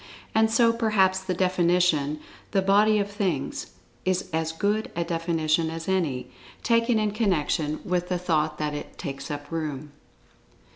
And so, perhaps the definition "The Body of Things," is as good a definition as any, taken in connection with the thought that it "takes up room."